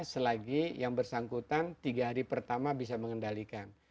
selagi yang bersangkutan tiga hari pertama bisa mengendalikan